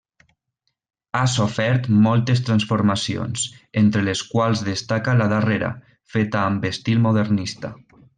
Ha sofert moltes transformacions, entre les quals destaca la darrera, feta amb estil modernista.